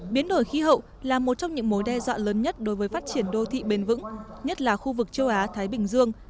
biến đổi khí hậu là một trong những mối đe dọa lớn nhất đối với phát triển đô thị bền vững nhất là khu vực châu á thái bình dương